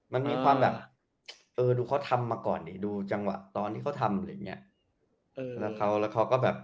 มันมีความแบบครับดูเขาทำมาก่อนดูจังหวะตอนที่เขาทำ